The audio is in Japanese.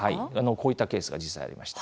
こういったケースが実際ありました。